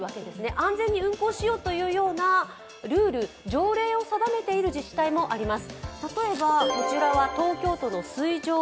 安全に運行しようというルール、条例を定めている自治体もあります。